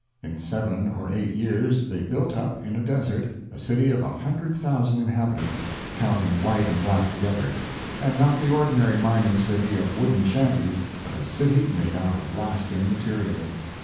In seven or eight years they built up, in a desert, a city of a hundred thousand inhabitants, counting white and black together; and not the ordinary mining city of wooden shanties, but a city made out of lasting material.